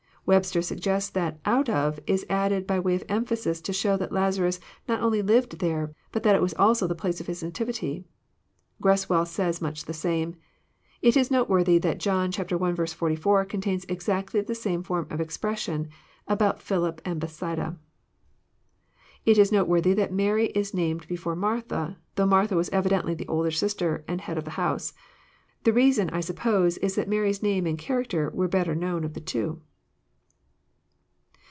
— Web ster suggests that ''oat of" is added by way of emphasis, to show that Lazarus not only lived there, but that it was also the place of his nativity. Greswell says much the same. It is note worthy that John i. 44 contains exactly the same form of expres sion about Philip and Bethsalda. It is noteworthy that Mary is named before Martha, though Martha was evidently the older sister, and head of the house. The reason, I suppose, is that Mary's name and character were better known of the two.